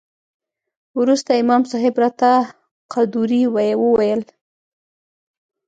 وروسته امام صاحب راته قدوري وويل.